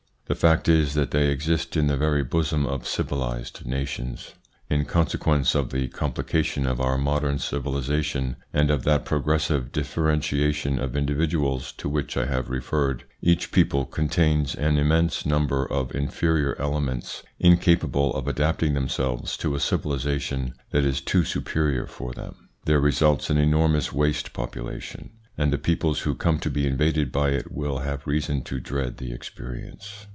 The fact is that they exist in the very bosom of civilised nations. In consequence of the complication of our modern civilisation, and of that progressive differentiation of individuals to which I have referred, each people contains an immense number of inferior elements incapable of adapting themselves to a civilisation that is too superior for them. There results an enormous waste population, and the peoples who come to be invaded by it will have reason to dread the experience.